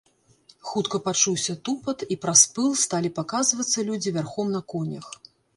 Хутка пачуўся тупат, і праз пыл сталі паказвацца людзі вярхом на конях.